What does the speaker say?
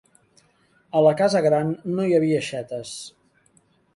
A la casa gran no hi havia aixetes.